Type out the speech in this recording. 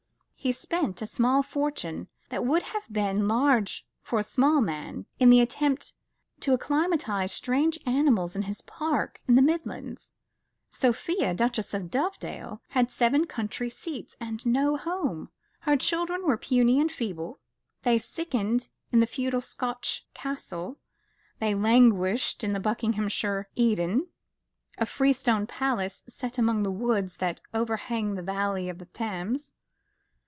He spent a small fortune that would have been large for a small man in the attempt to acclimatise strange animals in his park in the Midlands. Sophia, Duchess of Dovedale, had seven country seats, and no home. Her children were puny and feeble. They sickened in the feudal Scotch castle, they languished in the Buckinghamshire Eden a freestone palace set among the woods that overhang the valley of the Thames.